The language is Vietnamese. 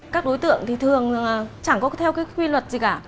các đối tượng thì thường chẳng có theo cái quy luật gì cả